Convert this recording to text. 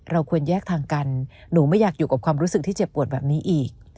ควรแยกทางกันหนูไม่อยากอยู่กับความรู้สึกที่เจ็บปวดแบบนี้อีก